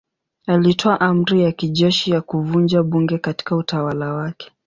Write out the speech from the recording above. Alitoa amri ya kijeshi ya kuvunja bunge katika utawala wake.